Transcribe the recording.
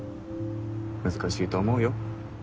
難しいと思うよ